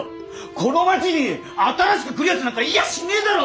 この町に新しく来るやつなんかいやしねえだろ！